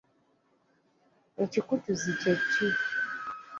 Ekikutuzi kye ki?